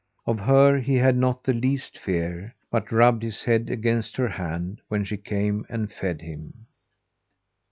Of her he had not the least fear; but rubbed his head against her hand when she came and fed him.